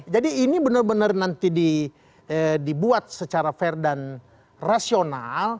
jadi ini benar benar nanti dibuat secara fair dan rasional